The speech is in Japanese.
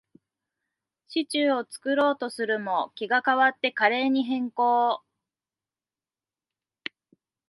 シチューを作ろうとするも、気が変わってカレーに変更